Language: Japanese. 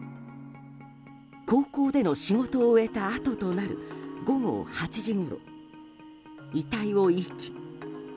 高校での仕事を終えたあととなる午後８時ごろ遺体を遺棄。